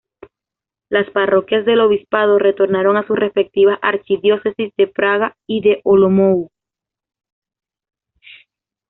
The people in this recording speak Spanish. Las parroquias del obispado retornaron a sus respectivas archidiócesis de Praga y de Olomouc.